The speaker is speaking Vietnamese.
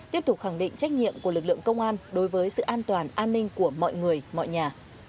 tiếp tục khẳng định trách nhiệm của lực lượng công an đối với sự an toàn an ninh của mọi người mọi nhà